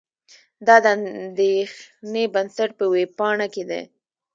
دا د اندېښې بنسټ په وېبپاڼه کې دي.